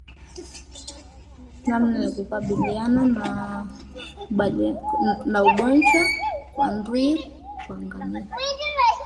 Namna ya kukabiliana na ugonjwa wa ndui kwa ngamia